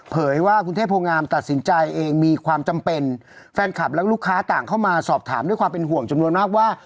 ว่ากรุงเทพโพงามตัดสินใจเองมีความจำเป็นแฟนคลับและลูกค้าต่างเข้ามาสอบถามด้วยความเป็นห่วงจำนวนมากว่า